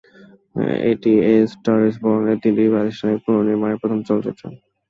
এটি "a star is বর্ন"-এর তিনটি প্রাতিষ্ঠানিক পুনর্নির্মাণের প্রথম চলচ্চিত্র।